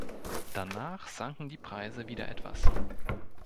Danach sanken die Preise wieder etwas.